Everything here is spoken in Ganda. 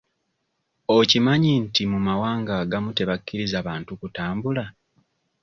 Okimanyi nti mu mawanga agamu tebakkiriza bantu kutambula?